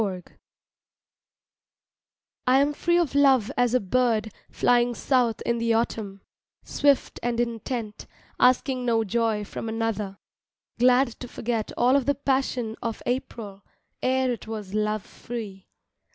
LOVE FREE I AM free of love as a bird flying south in the autumn, Swift and intent, asking no joy from another, Glad to forget all of the passion of April Ere it was love free.